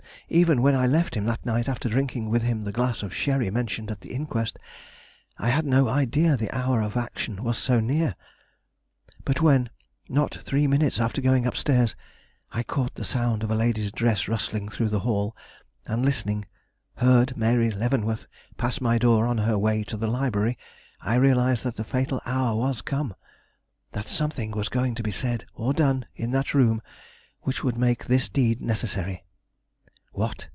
Even when I left him that night after drinking with him the glass of sherry mentioned at the inquest, I had no idea the hour of action was so near. But when, not three minutes after going up stairs, I caught the sound of a lady's dress rustling through the hall, and listening, heard Mary Leavenworth pass my door on her way to the library, I realized that the fatal hour was come; that something was going to be said or done in that room which would make this deed necessary. What?